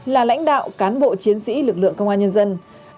là lãnh đạo cán bộ chiến sĩ lực lượng công an nhân dân